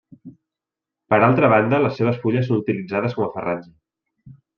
Per altra banda les seves fulles són utilitzades com a farratge.